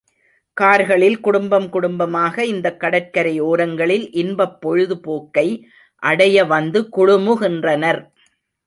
கார்களில் குடும்பம் குடும்பமாக இந்தக் கடற்கரை ஓரங்களில் இன்பப் பொழுது போக்கை அடைய வந்து குழுமுகின்றனர்.